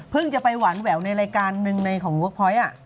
เพิ่งจะไปหวานแววในรายการนึงของเวิร์กพอยต์อ่ะ